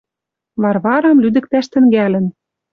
Варварам лӱдӹктӓш тӹнгӓлӹн.